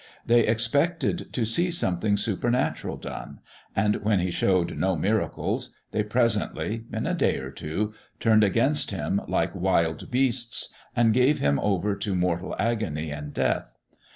They expected to see something supernatural done, and, when He showed no miracles, they presently, in a day or two, turned against Him like wild beasts and gave Him over to mortal agony and death.